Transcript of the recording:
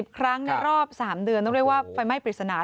ครั้งในรอบ๓เดือนต้องเรียกว่าไฟไหม้ปริศนา